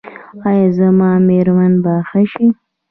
ایا زما میرمن به ښه شي؟